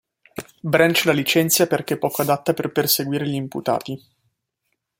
Branch la licenzia perché poco adatta per perseguire gli imputati.